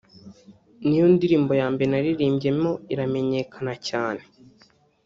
ni yo ndirimbo ya mbere naririmbyemo iramenyekana cyane